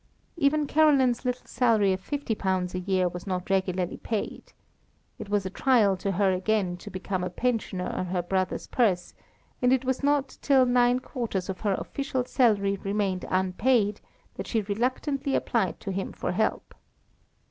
Even Caroline's little salary of £50 a year was not regularly paid. It was a trial to her again to become a pensioner on her brother's purse, and it was not till nine quarters of her official salary remained unpaid, that she reluctantly applied to him for help.